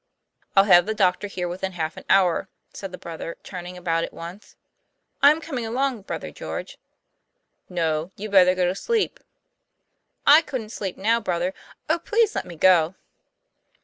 'I'll have the doctor here within half an hour," said the brother, turning about at once. 'I'm coming along, Brother George." " No: you'd better go to sleep." " I couldn't sleep now, brother. Oh, please let me go."